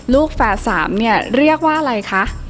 ลูกแฝดสามเรียกว่าอะไรคะ